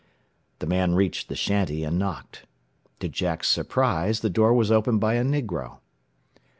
The man reached the shanty, and knocked. To Jack's surprise the door was opened by a negro.